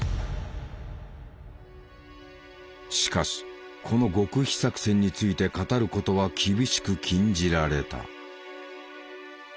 しかしこの極秘作戦について語ることは厳しく禁じられた。